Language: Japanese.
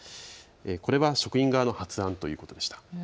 これは職員側の発案ということでした。